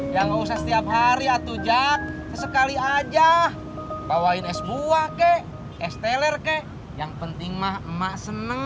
ya gak usah setiap hari atau jak sesekali aja bawain es buah kek es teler kek yang penting mah emak seneng